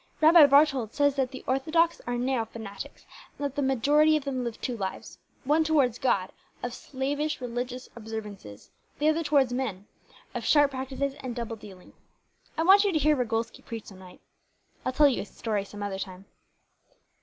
Rabbi Barthold says that the orthodox are narrow fanatics, and that the majority of them live two lives one towards God, of slavish religious observances; the other towards man, of sharp practices and double dealing. I want you to hear Ragolsky preach some night. I'll tell you his story some other time."